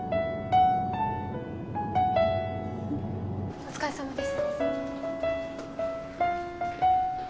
お疲れさまです